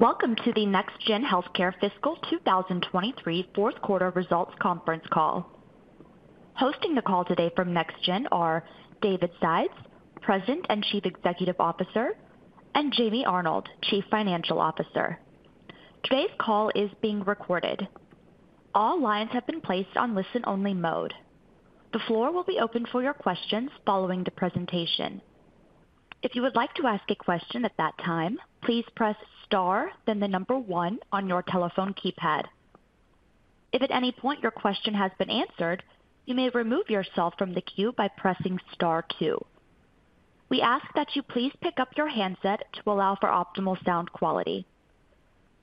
Welcome to the NextGen Healthcare Fiscal 2023 Q4 results conference call. Hosting the call today from NextGen are David Sides, President and Chief Executive Officer, and James Arnold, Chief Financial Officer. Today's call is being recorded. All lines have been placed on listen-only mode. The floor will be open for your questions following the presentation. If you would like to ask a question at that time, please press star then the number 1 on your telephone keypad. If at any point your question has been answered, you may remove yourself from the queue by pressing star 2. We ask that you please pick up your handset to allow for optimal sound quality.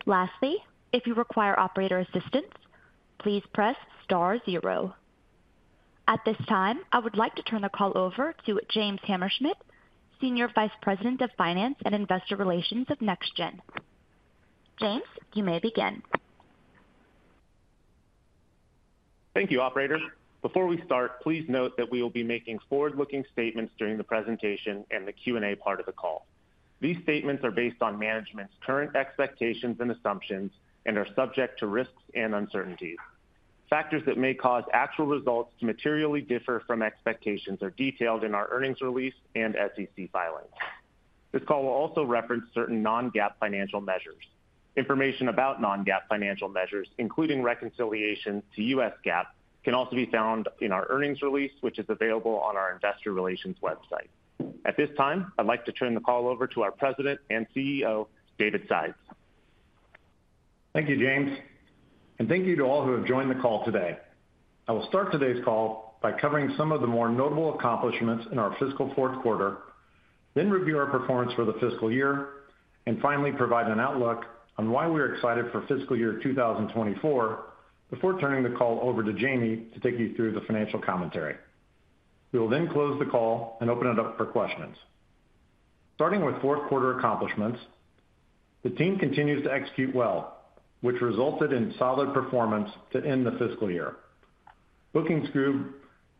Lastly, if you require operator assistance, please press star 0. At this time, I would like to turn the call over to James Hammerschmidt, Senior Vice President of Finance and Investor Relations of NextGen. James, you may begin. Thank you, operator. Before we start, please note that we will be making forward-looking statements during the presentation and the Q&A part of the call. These statements are based on management's current expectations and assumptions and are subject to risks and uncertainties. Factors that may cause actual results to materially differ from expectations are detailed in our earnings release and SEC filings. This call will also reference certain non-GAAP financial measures. Information about non-GAAP financial measures, including reconciliation to U.S. GAAP, can also be found in our earnings release, which is available on our investor relations website. At this time, I'd like to turn the call over to our President and CEO, David Sides. Thank you, James, and thank you to all who have joined the call today. I will start today's call by covering some of the more notable accomplishments in our fiscal Q4, then review our performance for the fiscal year and finally provide an outlook on why we are excited for fiscal year 2024 before turning the call over to Jamie to take you through the financial commentary. We will then close the call and open it up for questions. Starting with Q4 accomplishments, the team continues to execute well, which resulted in solid performance to end the fiscal year. Bookings grew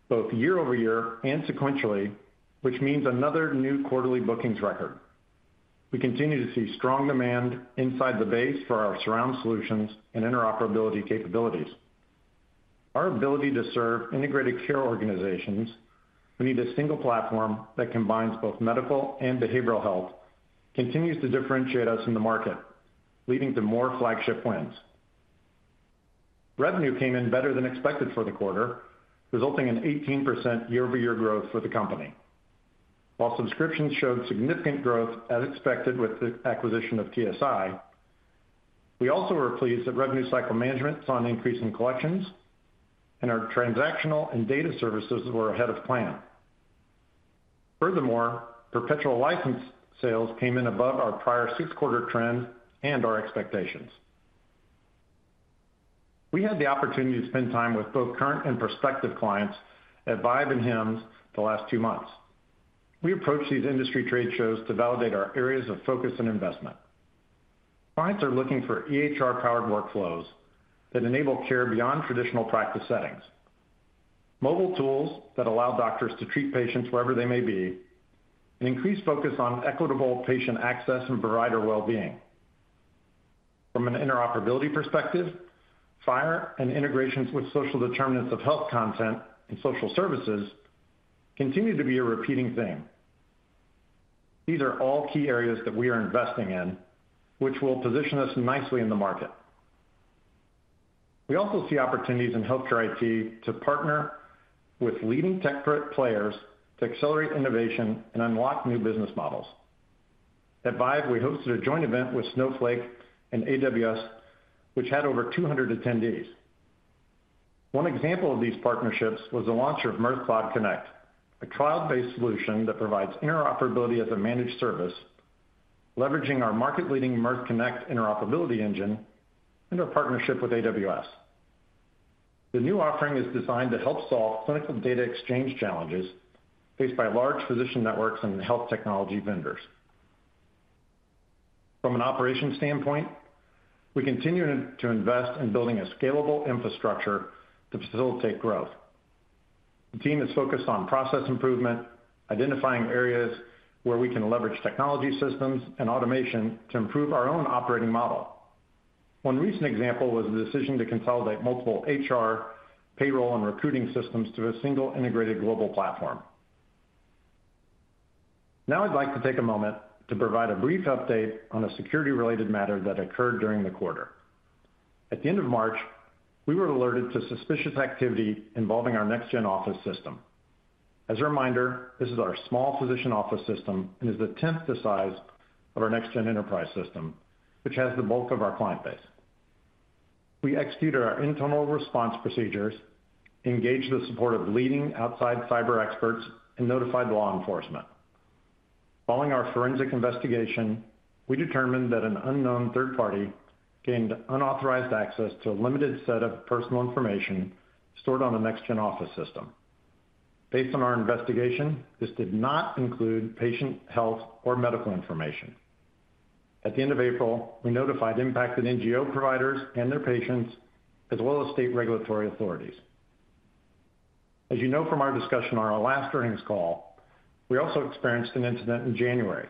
both year-over-year and sequentially, which means another new quarterly bookings record. We continue to see strong demand inside the base for our surround solutions and interoperability capabilities. Our ability to serve integrated care organizations who need a single platform that combines both medical and behavioral health continues to differentiate us in the market, leading to more flagship wins. Revenue came in better than expected for the quarter, resulting in 18% year-over-year growth for the company. While subscriptions showed significant growth as expected with the acquisition of TSI, we also were pleased that revenue cycle management saw an increase in collections and our transactional and data services were ahead of plan. Furthermore, Perpetual License Sales came in above our prior 6-quarter trend and our expectations. We had the opportunity to spend time with both current and prospective clients at ViVE and HIMSS the last two months. We approached these industry trade shows to validate our areas of focus and investment. Clients are looking for EHR-powered workflows that enable care beyond traditional practice settings. Mobile tools that allow doctors to treat patients wherever they may be, an increased focus on equitable patient access and provider well-being. From an interoperability perspective, FHIR and integrations with social determinants of health content and social services continue to be a repeating theme. These are all key areas that we are investing in, which will position us nicely in the market. We also see opportunities in healthcare IT to partner with leading tech players to accelerate innovation and unlock new business models. At ViVE, we hosted a joint event with Snowflake and AWS, which had over 200 attendees. One example of these partnerships was the launch of Mirth Cloud Connect, a cloud-based solution that provides interoperability as a managed service, leveraging our market-leading Mirth Connect interoperability engine and our partnership with AWS. The new offering is designed to help solve clinical data exchange challenges faced by large physician networks and health technology vendors. From an operations standpoint, we continue to invest in building a scalable infrastructure to facilitate growth. The team is focused on process improvement, identifying areas where we can leverage technology systems and automation to improve our own operating model. One recent example was the decision to consolidate multiple HR, payroll, and recruiting systems to a single integrated global platform. I'd like to take a moment to provide a brief update on a security-related matter that occurred during the quarter. At the end of March, we were alerted to suspicious activity involving our NextGen Office system. As a reminder, this is our small physician office system and is a tenth the size of our NextGen Enterprise system, which has the bulk of our client base. We executed our internal response procedures, engaged the support of leading outside cyber experts, and notified law enforcement. Following our forensic investigation, we determined that an unknown third party gained unauthorized access to a limited set of personal information stored on the NextGen Office system. Based on our investigation, this did not include patient health or medical information. At the end of April, we notified impacted NGO providers and their patients as well as state regulatory authorities. As you know from our discussion on our last earnings call, we also experienced an incident in January.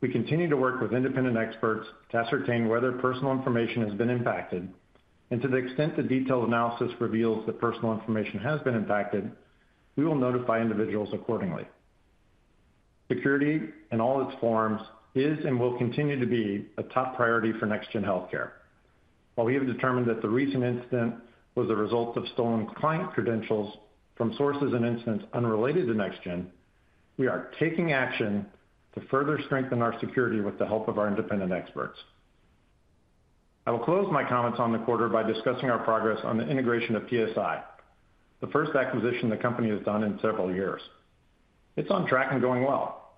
We continue to work with independent experts to ascertain whether personal information has been impacted. To the extent the detailed analysis reveals that personal information has been impacted, we will notify individuals accordingly. Security in all its forms is and will continue to be a top priority for NextGen Healthcare. While we have determined that the recent incident was a result of stolen client credentials from sources and incidents unrelated to NextGen, we are taking action to further strengthen our security with the help of our independent experts. I will close my comments on the quarter by discussing our progress on the integration of TSI, the first acquisition the company has done in several years. It's on track and going well.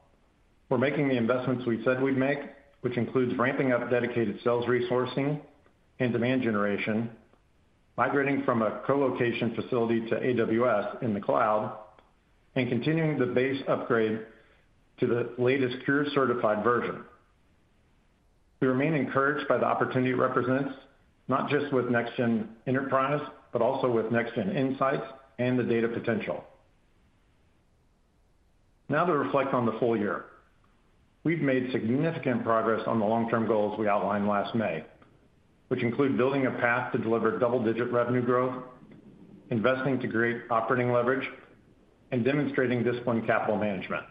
We're making the investments we said we'd make, which includes ramping up dedicated sales resourcing and demand generation, migrating from a co-location facility to AWS in the cloud, and continuing the base upgrade to the latest Cures-certified version. We remain encouraged by the opportunity it represents, not just with NextGen Enterprise, but also with NextGen Insights and the data potential. To reflect on the full year. We've made significant progress on the long-term goals we outlined last May, which include building a path to deliver double-digit revenue growth, investing to create operating leverage, and demonstrating disciplined capital management.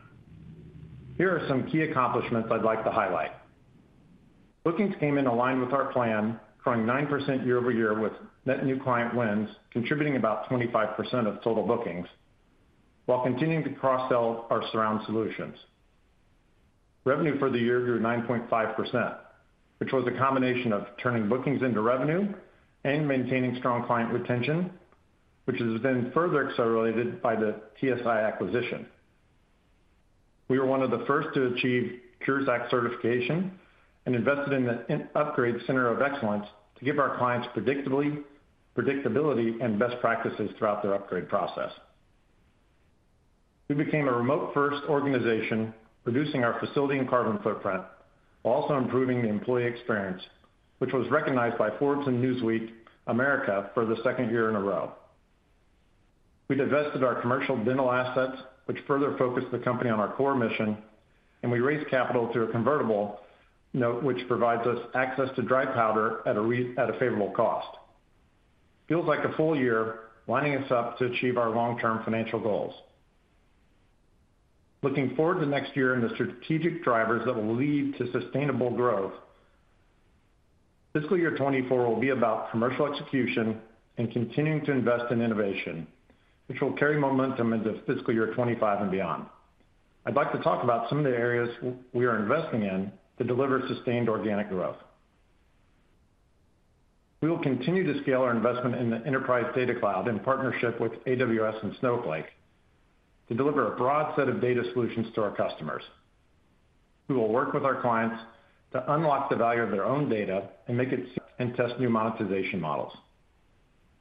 Here are some key accomplishments I'd like to highlight. Bookings came in aligned with our plan, growing 9% year-over-year with net new client wins contributing about 25% of total bookings while continuing to cross-sell our surround solutions. Revenue for the year grew 9.5%, which was a combination of turning bookings into revenue and maintaining strong client retention, which has been further accelerated by the TSI acquisition. We were one of the first to achieve Cures Act certification and invested in the Upgrade Center of Excellence to give our clients predictability and best practices throughout their upgrade process. We became a remote-first organization, reducing our facility and carbon footprint, while also improving the employee experience, which was recognized by Forbes and Newsweek America for the second year in a row. We divested our commercial dental assets, which further focused the company on our core mission, and we raised capital through a convertible note which provides us access to dry powder at a favorable cost. Feels like a full year lining us up to achieve our long-term financial goals. Looking forward to next year and the strategic drivers that will lead to sustainable growth. Fiscal year 24 will be about commercial execution and continuing to invest in innovation, which will carry momentum into fiscal year 25 and beyond. I'd like to talk about some of the areas we are investing in to deliver sustained organic growth. We will continue to scale our investment in the Enterprise Data Cloud in partnership with AWS and Snowflake to deliver a broad set of data solutions to our customers. We will work with our clients to unlock the value of their own data and test new monetization models.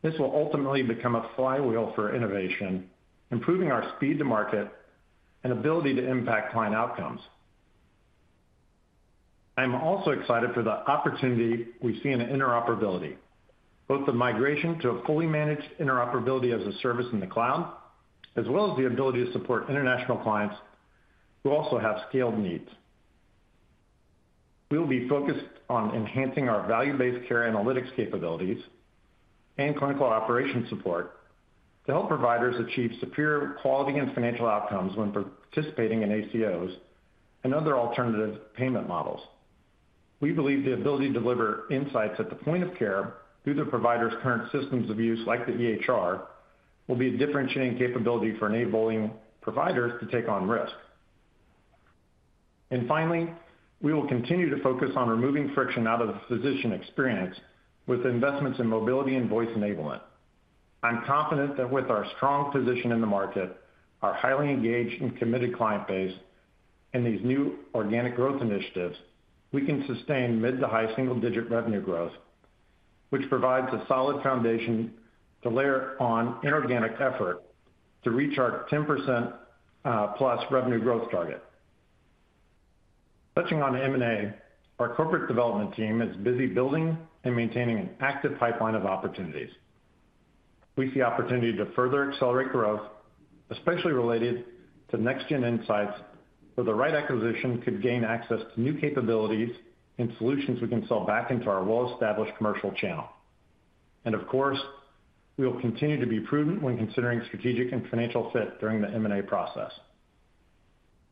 This will ultimately become a flywheel for innovation, improving our speed to market and ability to impact client outcomes. I'm also excited for the opportunity we see in interoperability, both the migration to a fully managed interoperability as a service in the cloud, as well as the ability to support international clients who also have scaled needs. We will be focused on enhancing our value-based care analytics capabilities and clinical operation support to help providers achieve superior quality and financial outcomes when participating in ACOs and other alternative payment models. We believe the ability to deliver insights at the point of care through the provider's current systems of use, like the EHR, will be a differentiating capability for enabling providers to take on risk. Finally, we will continue to focus on removing friction out of the physician experience with investments in mobility and voice enablement. I'm confident that with our strong position in the market, our highly engaged and committed client base, and these new organic growth initiatives, we can sustain mid-to-high single-digit revenue growth, which provides a solid foundation to layer on inorganic effort to reach our 10%+ revenue growth target. Touching on M&A, our corporate development team is busy building and maintaining an active pipeline of opportunities. We see opportunity to further accelerate growth, especially related to NextGen Insights, where the right acquisition could gain access to new capabilities and solutions we can sell back into our well-established commercial channel. Of course, we will continue to be prudent when considering strategic and financial fit during the M&A process.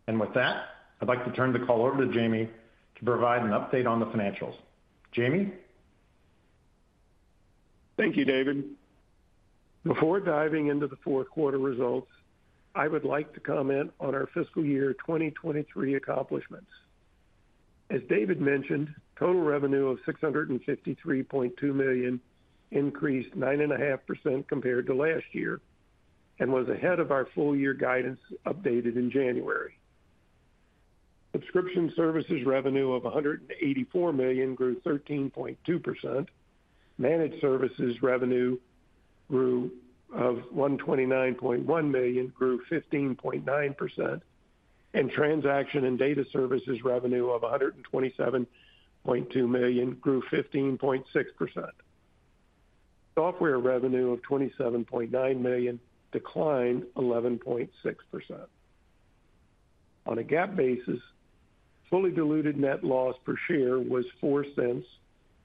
With that, I'd like to turn the call over to Jamie to provide an update on the financials. Jamie? Thank you, David. Before diving into the Q4 results, I would like to comment on our fiscal year 2023 accomplishments. As David mentioned, total revenue of $653.2 million increased 9.5% compared to last year and was ahead of our full year guidance updated in January. Subscription Services Revenue of $184 million grew 13.2%. Managed Services Revenue $129.1 million grew 15.9%. Transaction and Data Services Revenue of $127.2 million grew 15.6%. Software revenue of $27.9 million declined 11.6%. On a GAAP basis, fully diluted net loss per share was $0.04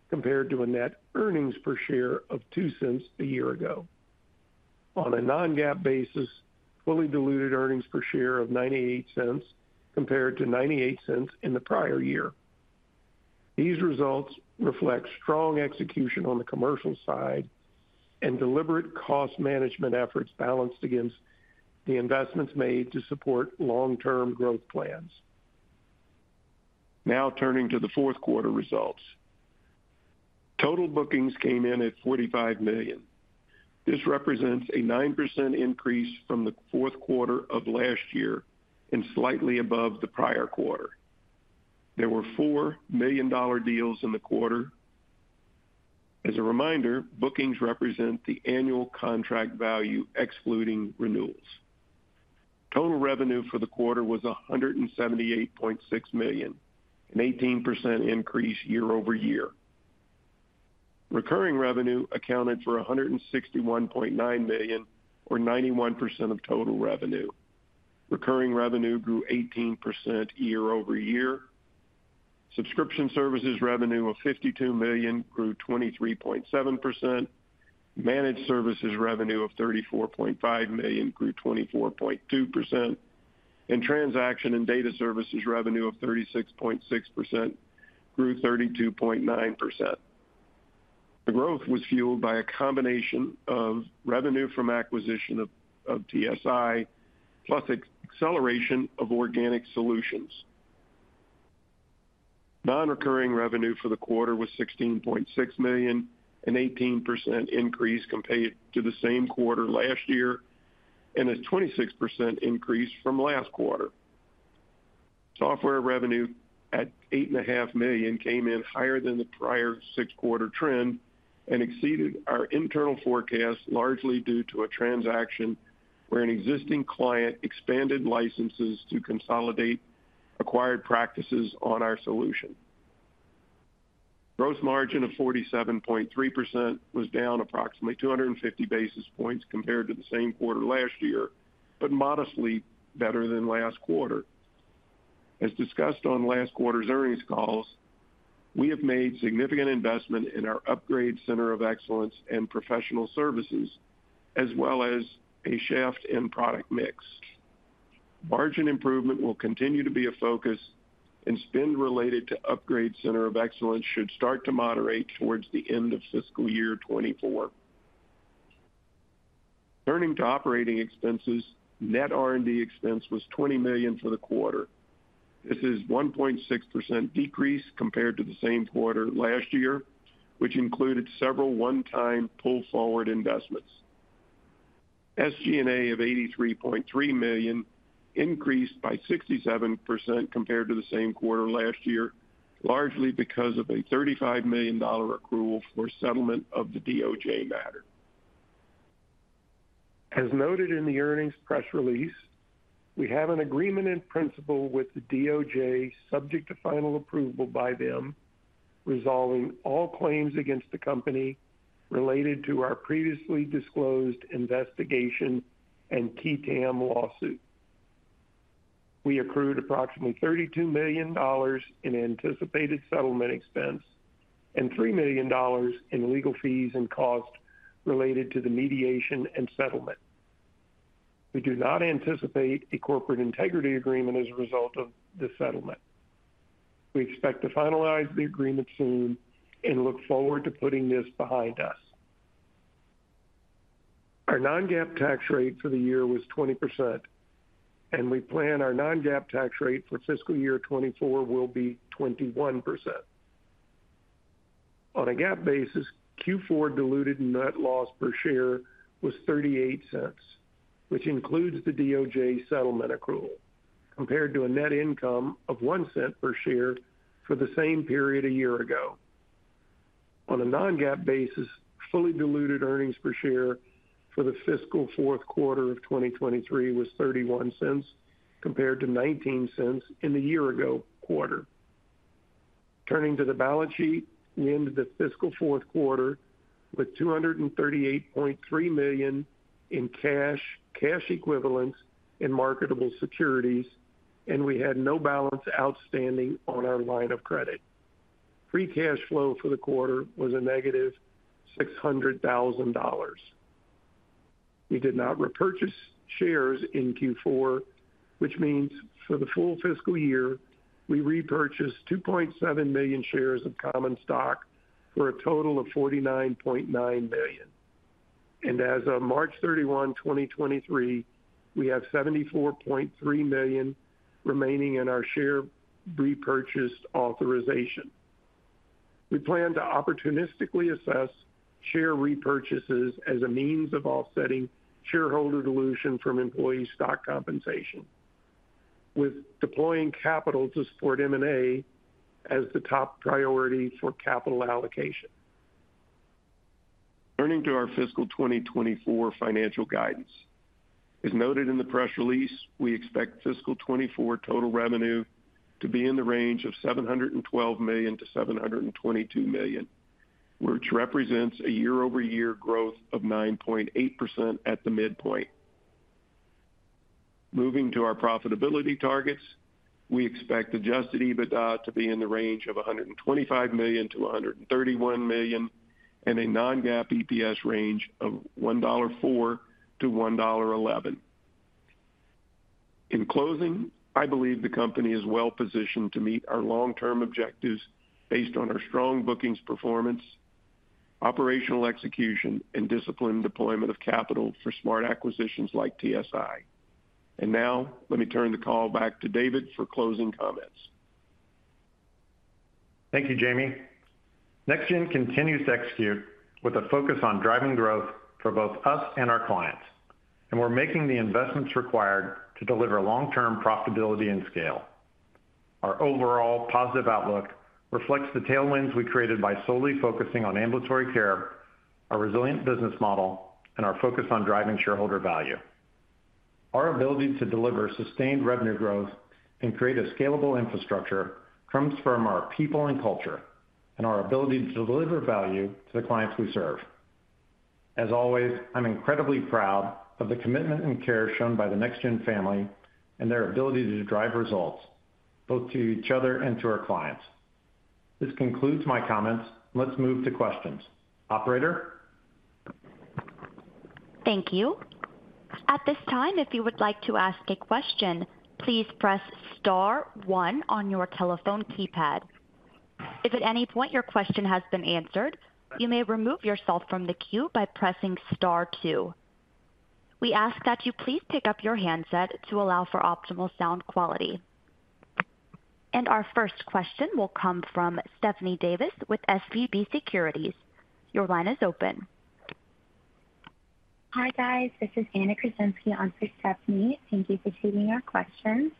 compared to a net earnings per share of $0.02 a year ago. On a non-GAAP basis, fully diluted earnings per share of $0.98 compared to $0.98 in the prior year. These results reflect strong execution on the commercial side and deliberate cost management efforts balanced against the investments made to support long-term growth plans. Turning to the Q4 results. Total bookings came in at $45 million. This represents a 9% increase from the Q4 of last year and slightly above the prior quarter. There were four $1 million deals in the quarter. As a reminder, bookings represent the annual contract value excluding renewals. Total revenue for the quarter was $178.6 million, an 18% increase year-over-year. Recurring revenue accounted for $161.9 million or 91% of total revenue. Recurring revenue grew 18% year-over-year. Subscription Services Revenue of $52 million grew 23.7%. Managed Services Revenue of $34.5 million grew 24.2%. Transaction and Data Services Revenue of 36.6% grew 32.9%. The growth was fueled by a combination of revenue from acquisition of TSI plus acceleration of organic solutions. Non-recurring revenue for the quarter was $16.6 million, an 18% increase compared to the same quarter last year, and a 26% increase from last quarter. Software revenue at $8.5 million came in higher than the prior 6-quarter trend and exceeded our internal forecast, largely due to a transaction where an existing client expanded licenses to consolidate acquired practices on our solution. Gross margin of 47.3% was down approximately 250 basis points compared to the same quarter last year, modestly better than last quarter. As discussed on last quarter's earnings calls, we have made significant investment in our Upgrade Center of Excellence and professional services, as well as a shift in product mix. Margin improvement will continue to be a focus, spend related to Upgrade Center of Excellence should start to moderate towards the end of fiscal year 2024. Turning to operating expenses, net R&D expense was $20 million for the quarter. This is 1.6% decrease compared to the same quarter last year, which included several one-time pull-forward investments. SG&A of $83.3 million increased by 67% compared to the same quarter last year, largely because of a $35 million accrual for settlement of the DOJ matter. As noted in the earnings press release, we have an agreement in principle with the DOJ subject to final approval by them, resolving all claims against the company related to our previously disclosed investigation and qui tam lawsuit. We accrued approximately $32 million in anticipated settlement expense and $3 million in legal fees and costs related to the mediation and settlement. We do not anticipate a corporate integrity agreement as a result of this settlement. We expect to finalize the agreement soon and look forward to putting this behind us. Our non-GAAP tax rate for the year was 20%, and we plan our non-GAAP tax rate for fiscal year 2024 will be 21%. On a GAAP basis, Q4 diluted net loss per share was $0.38, which includes the DOJ settlement accrual, compared to a net income of $0.01 per share for the same period a year ago. On a non-GAAP basis, fully diluted earnings per share for the fiscal Q4 of 2023 was $0.31 compared to $0.19 in the year-ago quarter. Turning to the balance sheet, we ended the fiscal Q4 with $238.3 million in cash equivalents in marketable securities, we had no balance outstanding on our line of credit. Free cash flow for the quarter was a negative $600,000. We did not repurchase shares in Q4, which means for the full fiscal year, we repurchased 2.7 million shares of common stock for a total of $49.9 million. As of March 31, 2023, we have $74.3 million remaining in our share repurchase authorization. We plan to opportunistically assess share repurchases as a means of offsetting shareholder dilution from employee stock compensation, with deploying capital to support M&A as the top priority for capital allocation. Turning to our fiscal 2024 financial guidance. As noted in the press release, we expect fiscal 2024 total revenue to be in the range of $712 million-$722 million, which represents a year-over-year growth of 9.8% at the midpoint. Moving to our profitability targets, we expect adjusted EBITDA to be in the range of $125 million-$131 million, and a non-GAAP EPS range of $1.04-$1.11. In closing, I believe the company is well positioned to meet our long-term objectives based on our strong bookings performance, operational execution and disciplined deployment of capital for smart acquisitions like TSI. Now let me turn the call back to David for closing comments. Thank you, Jamie. NextGen continues to execute with a focus on driving growth for both us and our clients, and we're making the investments required to deliver long-term profitability and scale. Our overall positive outlook reflects the tailwinds we created by solely focusing on ambulatory care, our resilient business model, and our focus on driving shareholder value. Our ability to deliver sustained revenue growth and create a scalable infrastructure comes from our people and culture and our ability to deliver value to the clients we serve. As always, I'm incredibly proud of the commitment and care shown by the NextGen family and their ability to drive results both to each other and to our clients. This concludes my comments. Let's move to questions. Operator? Thank you. At this time, if you would like to ask a question, please press star one on your telephone keypad. If at any point your question has been answered, you may remove yourself from the queue by pressing star two. We ask that you please pick up your handset to allow for optimal sound quality. Our first question will come from Stephanie Davis with SVB Securities. Your line is open. Hi, guys. This is Anna Krasinski on for Stephanie. Thank you for taking our questions.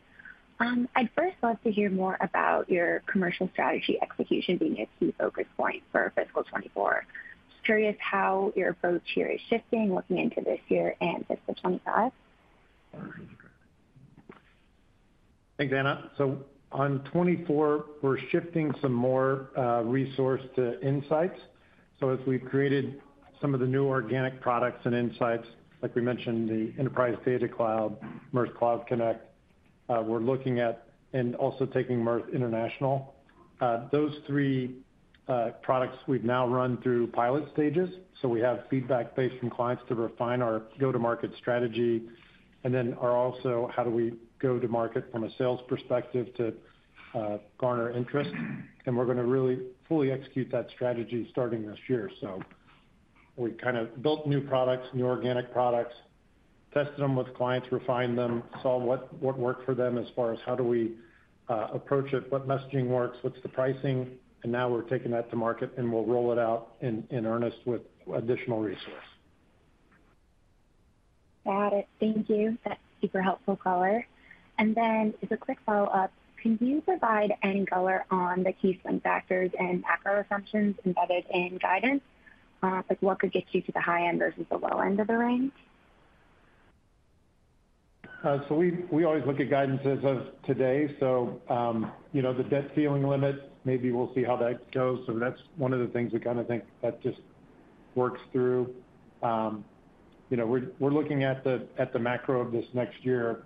I'd first love to hear more about your commercial strategy execution being a key focus point for fiscal 2024. Just curious how your approach here is shifting looking into this year and fiscal 2025. Thanks, Anna. On 2024, we're shifting some more resource to Insights. As we've created some of the new organic products and Insights, like we mentioned, the Enterprise Data Cloud, Mirth Cloud Connect, we're looking at and also taking Mirth International. Those 3 products we've now run through pilot stages. We have feedback based from clients to refine our go-to-market strategy. Are also how do we go to market from a sales perspective to garner interest. We're gonna really fully execute that strategy starting this year. We kind of built new products, new organic products, tested them with clients, refined them, saw what worked for them as far as how do we approach it, what messaging works, what's the pricing. Now we're taking that to market and we'll roll it out in earnest with additional resource. Got it. Thank you. That's super helpful color. Then as a quick follow-up, can you provide any color on the key swing factors and macro assumptions embedded in guidance? like what could get you to the high end versus the low end of the range? We always look at guidance as of today. You know, the debt ceiling limit, maybe we'll see how that goes. That's one of the things we kind of think that just works through. You know, we're looking at the macro of this next year,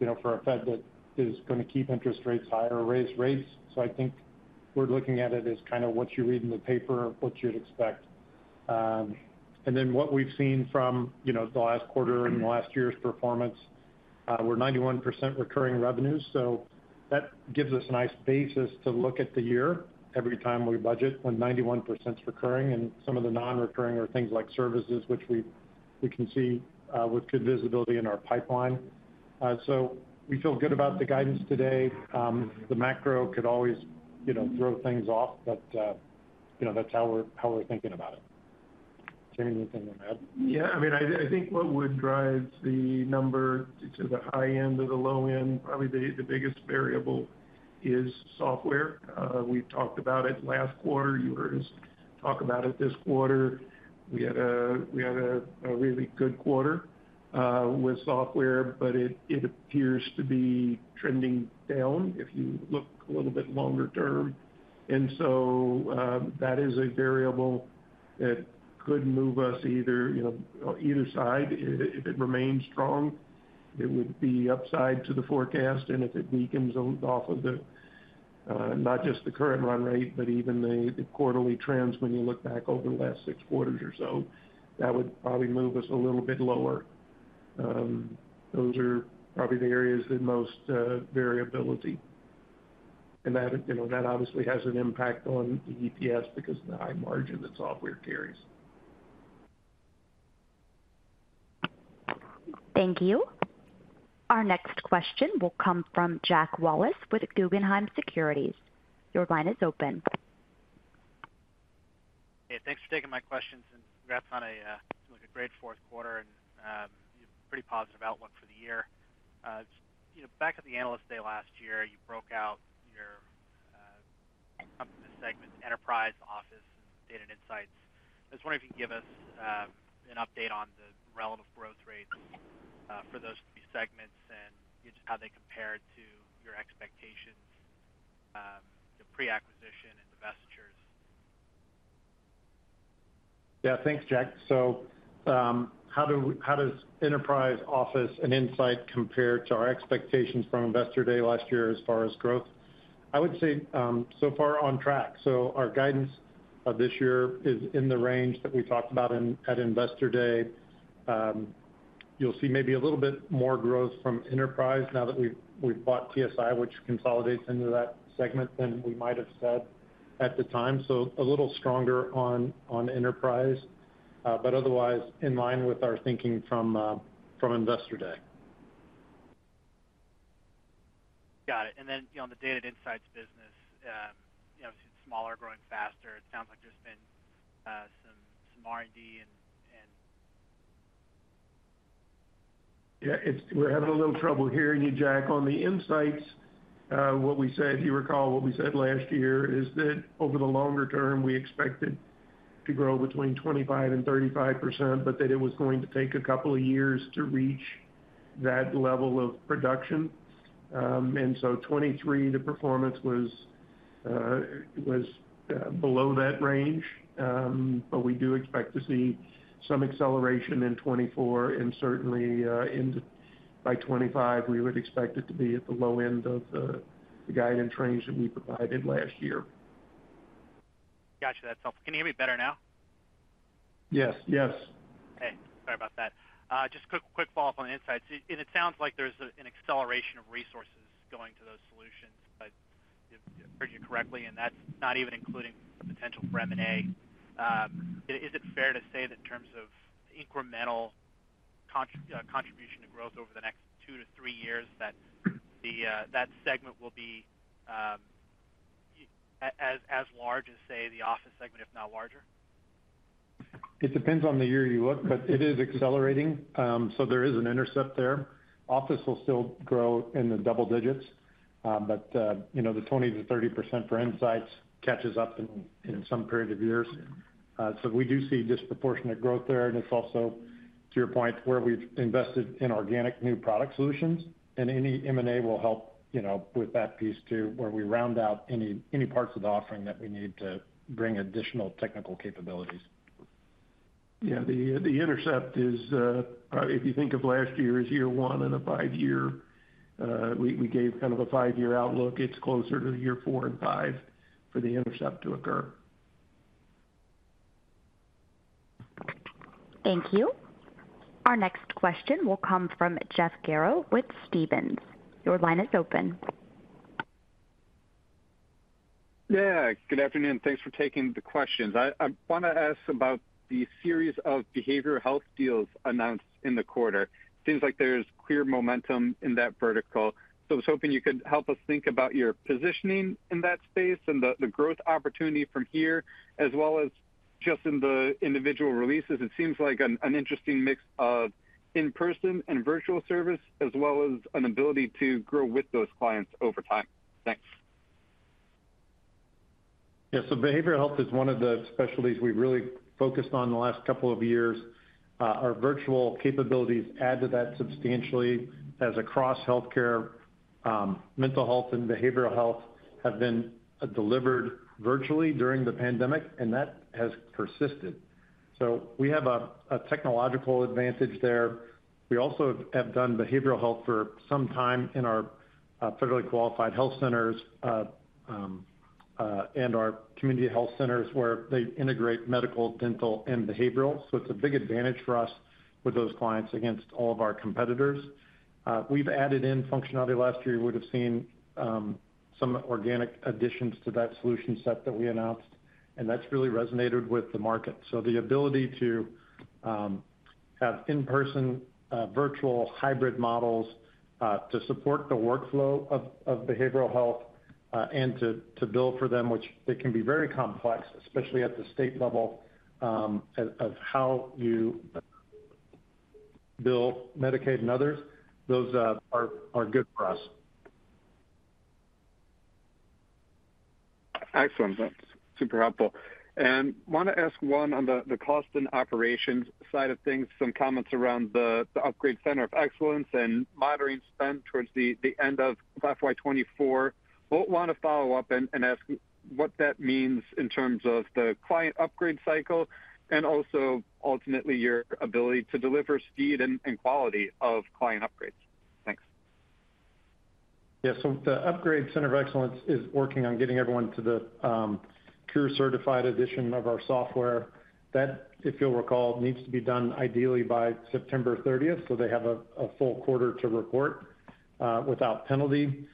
you know, for a Fed that is gonna keep interest rates high or raise rates. I think we're looking at it as kind of what you read in the paper, what you'd expect. What we've seen from, you know, the last quarter and last year's performance, we're 91% recurring revenues. That gives us a nice basis to look at the year every time we budget when 91%'s recurring and some of the non-recurring are things like services which we can see with good visibility in our pipeline. We feel good about the guidance today. The macro could always, you know, throw things off, but, you know, that's how we're thinking about it. Jamie, anything to add? Yeah, I mean, I think what would drive the number to the high end or the low end, probably the biggest variable is software. We talked about it last quarter. You heard us talk about it this quarter. We had a really good quarter with software, but it appears to be trending down if you look a little bit longer term. That is a variable that could move us either, you know, either side. If it remains strong, it would be upside to the forecast and if it weakens off of the not just the current run rate, but even the quarterly trends when you look back over the last 6 quarters or so, that would probably move us a little bit lower. Those are probably the areas with most variability. That, you know, that obviously has an impact on the EPS because of the high margin that software carries. Thank you. Our next question will come from Jack Wallace with Guggenheim Securities. Your line is open. Hey, thanks for taking my questions. Congrats on a like a great Q4 and pretty positive outlook for the year. You know, back at the Analyst Day last year, you broke out segment Enterprise Office Data and Insights. I was wondering if you give us an update on the relevant growth rates for those three segments and just how they compare to your expectations pre-acquisition and investors. Yeah. Thanks, Jack. How does Enterprise Office and Insights compare to our expectations from Investor Day last year as far as growth? I would say so far on track. Our guidance of this year is in the range that we talked about at Investor Day. You'll see maybe a little bit more growth from Enterprise now that we've bought TSI, which consolidates into that segment than we might have said at the time. A little stronger on Enterprise, but otherwise in line with our thinking from Investor Day. Got it. On the Data and Insights business, you know, it's smaller, growing faster. It sounds like there's been some R&D and... Yeah, we're having a little trouble hearing you, Jack Wallace. On the NextGen Insights, what we said, if you recall, what we said last year is that over the longer term, we expected to grow between 25% and 35%, but that it was going to take a couple of years to reach that level of production. 2023, the performance was below that range. We do expect to see some acceleration in 2024, and certainly, by 2025, we would expect it to be at the low end of the guidance range that we provided last year. Got you. That's helpful. Can you hear me better now? Yes. Yes. Okay. Sorry about that. Just quick follow-up on Insights. It sounds like there's an acceleration of resources going to those solutions, but if I heard you correctly, and that's not even including the potential for M&A. Is it fair to say that in terms of incremental contribution to growth over the next 2 to 3 years, that segment will be as large as, say, the Office segment, if not larger? It depends on the year you look, but it is accelerating. There is an intercept there. NextGen Office will still grow in the double digits, but, you know, the 20%-30% for NextGen Insights catches up in some period of years. We do see disproportionate growth there, and it's also, to your point, where we've invested in organic new product solutions. Any M&A will help, you know, with that piece too, where we round out any parts of the offering that we need to bring additional technical capabilities. Yeah, the intercept is, if you think of last year as year one in a five-year, we gave kind of a five-year outlook. It's closer to year four and five for the intercept to occur. Thank you. Our next question will come from Jeff Garro with Stephens. Your line is open. Yeah, good afternoon. Thanks for taking the questions. I wanna ask about the series of behavioral health deals announced in the quarter. Seems like there's clear momentum in that vertical. I was hoping you could help us think about your positioning in that space and the growth opportunity from here, as well as just in the individual releases. It seems like an interesting mix of in-person and virtual service, as well as an ability to grow with those clients over time. Thanks. Yeah. Behavioral health is one of the specialties we've really focused on the last couple of years. Our virtual capabilities add to that substantially as across healthcare, mental health and behavioral health have been delivered virtually during the pandemic, and that has persisted. We have a technological advantage there. We also have done behavioral health for some time in our Federally Qualified Health Centers and our community health centers where they integrate medical, dental, and behavioral. It's a big advantage for us with those clients against all of our competitors. We've added in functionality last year. You would have seen some organic additions to that solution set that we announced, and that's really resonated with the market. The ability to have in-person virtual hybrid models to support the workflow of behavioral health and to bill for them, which it can be very complex, especially at the state level, of how you bill Medicaid and others, those are good for us. Excellent. That's super helpful. Wanna ask one on the cost and operations side of things, some comments around the Upgrade Center of Excellence and monitoring spend towards the end of FY 2024. Both wanna follow up and ask what that means in terms of the client upgrade cycle and also ultimately your ability to deliver speed and quality of client upgrades. Thanks. Yeah. The Upgrade Center of Excellence is working on getting everyone to the Cures-certified edition of our software. That, if you'll recall, needs to be done ideally by September 30th, so they have a full quarter to report without penalty.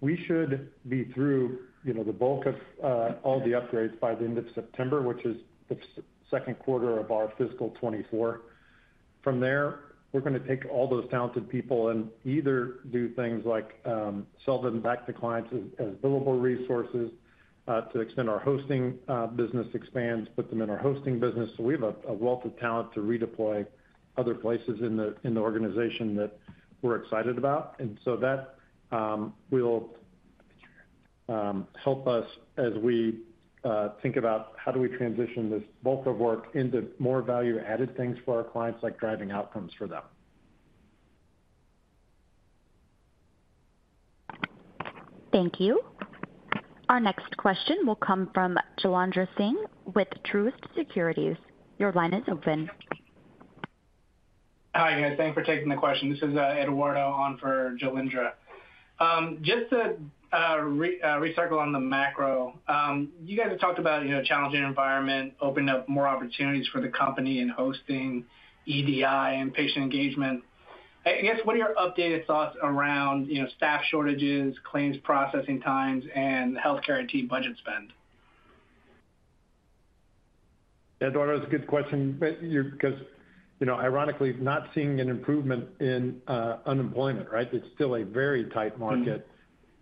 We should be through, you know, the bulk of all the upgrades by the end of September, which is the Q2 of our fiscal 2024. From there, we're gonna take all those talented people and either do things like sell them back to clients as billable resources to extend our hosting business expands, put them in our hosting business. We have a wealth of talent to redeploy other places in the organization that we're excited about. That will help us as we think about how do we transition this bulk of work into more value-added things for our clients, like driving outcomes for them. Thank you. Our next question will come from Jailendra Singh with Truist Securities. Your line is open. Hi, guys. Thanks for taking the question. This is Eduardo on for Jalindra. Just to recycle on the macro. You guys have talked about, you know, challenging environment, opening up more opportunities for the company in hosting EDI and patient engagement. I guess, what are your updated thoughts around, you know, staff shortages, claims processing times and healthcare team budget spend? Eduardo, that's a good question. You know, ironically, not seeing an improvement in unemployment, right? It's still a very tight market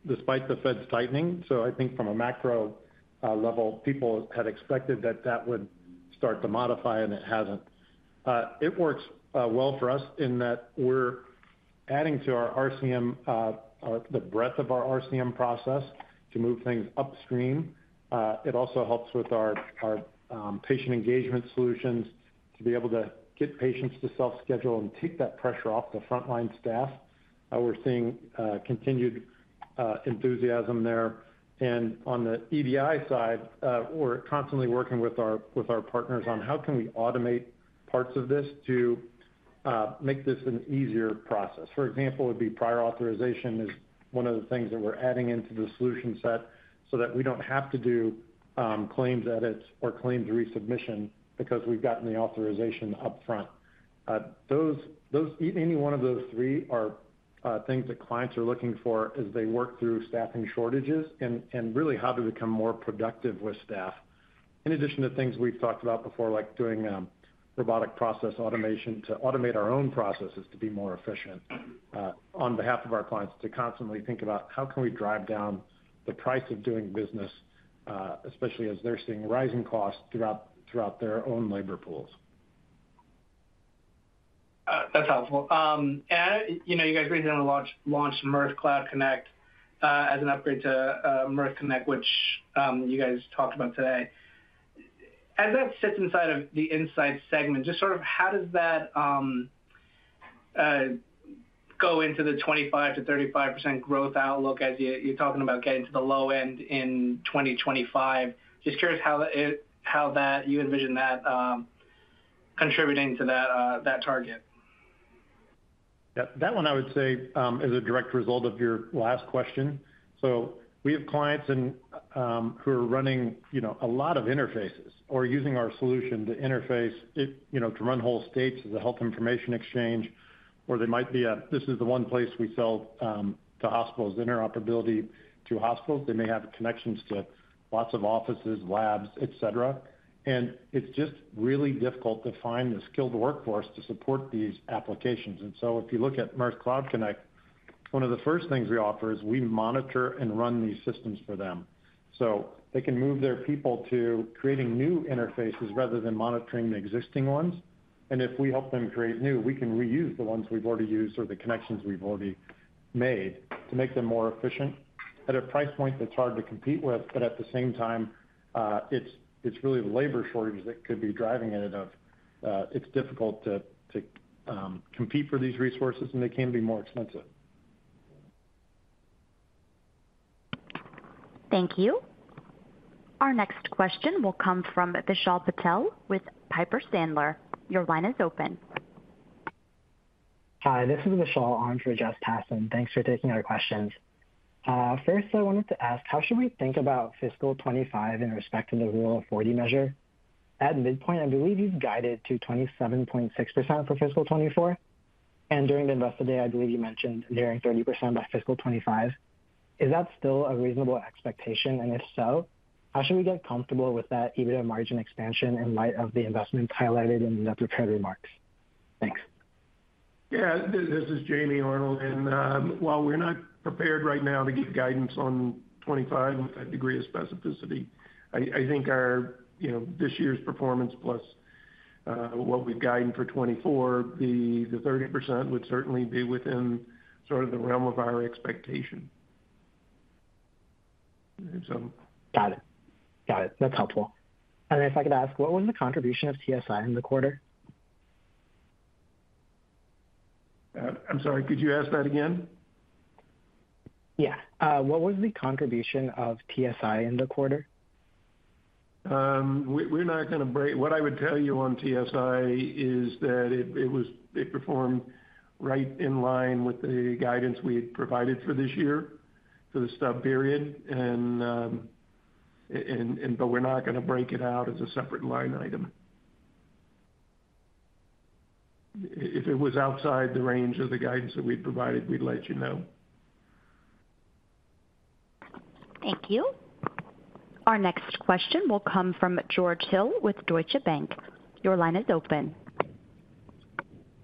despite the Fed's tightening. I think from a macro level, people had expected that that would start to modify, and it hasn't. It works well for us in that we're adding to our RCM, the breadth of our RCM process to move things upstream. It also helps with our patient engagement solutions to be able to get patients to self-schedule and take that pressure off the frontline staff. We're seeing continued enthusiasm there. On the EDI side, we're constantly working with our partners on how can we automate parts of this to make this an easier process. For example, would be prior authorization is one of the things that we're adding into the solution set so that we don't have to do claims edits or claims resubmission because we've gotten the authorization upfront. Those, any one of those three are things that clients are looking for as they work through staffing shortages and really how to become more productive with staff. In addition to things we've talked about before, like doing robotic process automation to automate our own processes to be more efficient on behalf of our clients, to constantly think about how can we drive down the price of doing business, especially as they're seeing rising costs throughout their own labor pools. That's helpful. You know, you guys recently launched Mirth Cloud Connect, as an upgrade to Mirth Connect, which you guys talked about today. As that sits inside of the Insights segment, just sort of how does that go into the 25%-35% growth outlook as you're talking about getting to the low end in 2025? Just curious how you envision that contributing to that target. That one I would say is a direct result of your last question. We have clients who are running, you know, a lot of interfaces or using our solution to interface it, you know, to run whole states as a health information exchange. They might be a, "This is the one place we sell to hospitals," interoperability to hospitals. They may have connections to lots of offices, labs, et cetera. It's just really difficult to find the skilled workforce to support these applications. If you look at Mirth Cloud Connect, one of the first things we offer is we monitor and run these systems for them. They can move their people to creating new interfaces rather than monitoring the existing ones. If we help them create new, we can reuse the ones we've already used or the connections we've already made to make them more efficient at a price point that's hard to compete with. At the same time, it's really the labor shortage that could be driving it of, it's difficult to compete for these resources, and they can be more expensive. Thank you. Our next question will come from Vishal Patel with Piper Sandler. Your line is open. Hi, this is Vishal on for Jessica Tassin. Thanks for taking our questions. First I wanted to ask, how should we think about fiscal 2025 in respect to the Rule of 40 measure? At midpoint, I believe you've guided to 27.6% for fiscal 2024, and during the Investor Day, I believe you mentioned nearing 30% by fiscal 2025. Is that still a reasonable expectation? If so, how should we get comfortable with that EBITDA margin expansion in light of the investments highlighted in the prepared remarks? Thanks. This is James Arnold. While we're not prepared right now to give guidance on 2025 with that degree of specificity, I think our, you know, this year's performance plus what we've guided for 2024, the 30% would certainly be within sort of the realm of our expectation. Got it. That's helpful. If I could ask, what was the contribution of TSI in the quarter? I'm sorry, could you ask that again? Yeah. What was the contribution of TSI in the quarter? What I would tell you on TSI is that it performed right in line with the guidance we had provided for this year for the stub period. But we're not gonna break it out as a separate line item. If it was outside the range of the guidance that we'd provided, we'd let you know. Thank you. Our next question will come from George Hill with Deutsche Bank. Your line is open.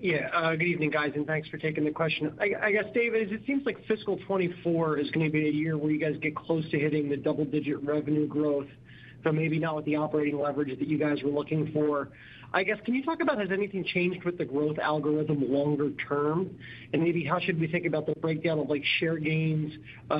Yeah. Good evening, guys, and thanks for taking the question. I guess, David, it seems like Fiscal 2024 is gonna be a year where you guys get close to hitting the double-digit revenue growth, but maybe not with the operating leverage that you guys were looking for. I guess, can you talk about has anything changed with the growth algorithm longer term? Maybe how should we think about the breakdown of, like, share gains,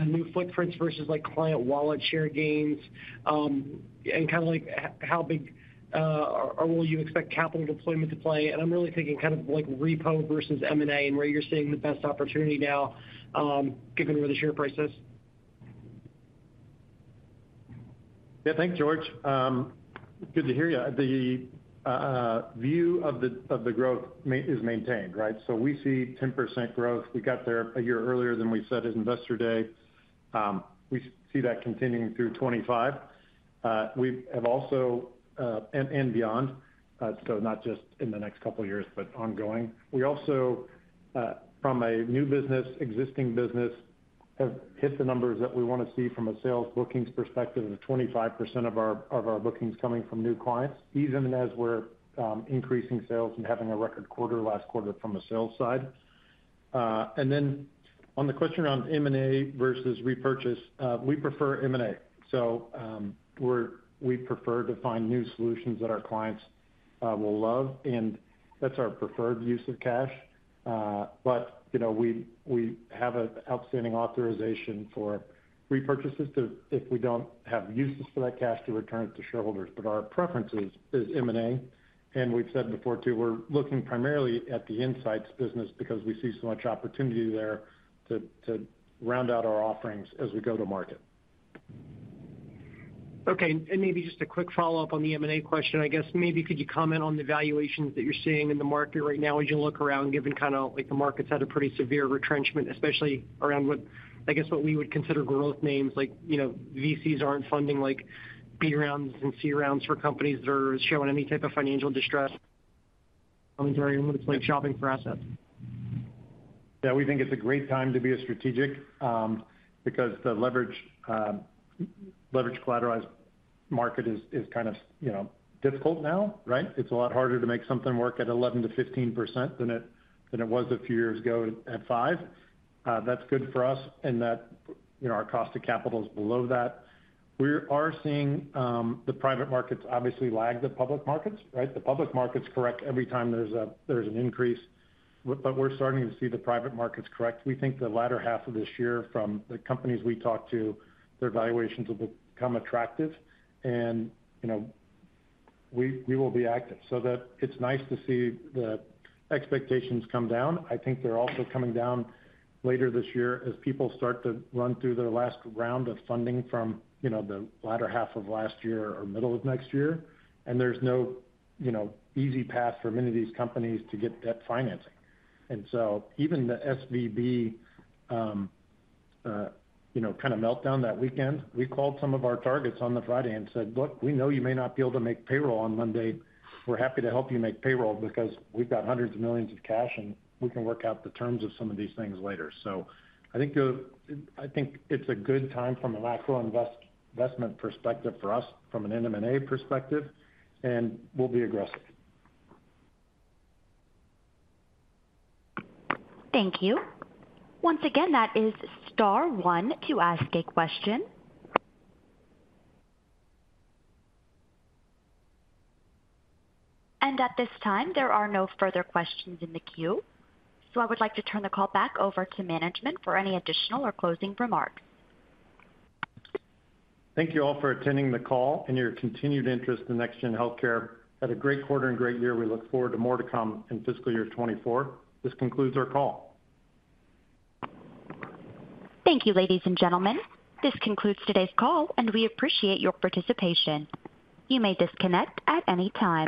new footprints versus, like, client wallet share gains? Kinda like, how big, or will you expect capital deployment to play? I'm really thinking kind of like repo versus M&A and where you're seeing the best opportunity now, given where the share price is. Yeah. Thanks, George. Good to hear you. The view of the growth is maintained, right? We see 10% growth. We got there a year earlier than we said at Investor Day. We see that continuing through 2025. We have also, and beyond, not just in the next couple of years, but ongoing. We also, from a new business, existing business, have hit the numbers that we wanna see from a sales bookings perspective of 25% of our bookings coming from new clients, even as we're increasing sales and having a record quarter last quarter from a sales side. On the question on M&A versus repurchase, we prefer M&A. We prefer to find new solutions that our clients will love, and that's our preferred use of cash. You know, we have an outstanding authorization for repurchases to, if we don't have uses for that cash, to return it to shareholders. Our preference is M&A. We've said before too, we're looking primarily at the Insights business because we see so much opportunity there to round out our offerings as we go to market. Okay. Maybe just a quick follow-up on the M&A question. I guess maybe could you comment on the valuations that you're seeing in the market right now as you look around, given kinda like the market's had a pretty severe retrenchment, especially around what, I guess what we would consider growth names like, you know, VCs aren't funding like B rounds and C rounds for companies that are showing any type of financial distress, like shopping for assets. Yeah. We think it's a great time to be a strategic, because the leverage collateralized market is kind of, you know, difficult now, right? It's a lot harder to make something work at 11%-15% than it was a few years ago at 5%. That's good for us in that, you know, our cost of capital is below that. We are seeing the private markets obviously lag the public markets, right? The public markets correct every time there's an increase. We're starting to see the private markets correct. We think the latter half of this year from the companies we talk to, their valuations will become attractive and, you know, we will be active. That it's nice to see the expectations come down. I think they're also coming down later this year as people start to run through their last round of funding from, you know, the latter half of last year or middle of next year. There's no, you know, easy path for many of these companies to get debt financing. Even the SVB, you know, kinda meltdown that weekend, we called some of our targets on the Friday and said, "Look, we know you may not be able to make payroll on Monday. We're happy to help you make payroll because we've got hundreds of millions of cash, and we can work out the terms of some of these things later." I think it's a good time from a macro investment perspective for us from an M&A perspective, and we'll be aggressive. Thank you. Once again, that is star 1 to ask a question. At this time, there are no further questions in the queue. I would like to turn the call back over to management for any additional or closing remarks. Thank you all for attending the call and your continued interest in NextGen Healthcare. Had a great quarter and great year. We look forward to more to come in fiscal year 2024. This concludes our call. Thank you, ladies and gentlemen. This concludes today's call, and we appreciate your participation. You may disconnect at any time.